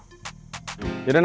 yaudah next time ya